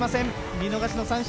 見逃しの三振。